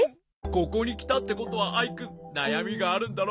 ここにきたってことはアイくんなやみがあるんだろう？